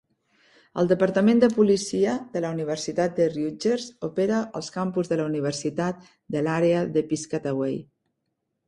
El departament de policia de la Universitat de Rutgers opera als campus de la universitat de l'àrea de Piscataway.